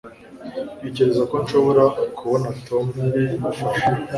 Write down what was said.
ntekereza ko nshobora kubona tom kumufasha